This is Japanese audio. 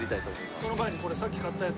その前にこれさっき買ったやつ。